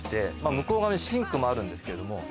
向こう側にシンクもあるんですけども。